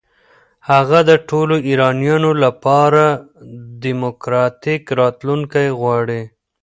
هغه د ټولو ایرانیانو لپاره دموکراتیک راتلونکی غواړي.